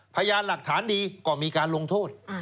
พยานหลักฐานดีก็มีการลงโทษ